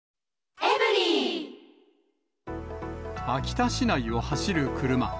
秋田市内を走る車。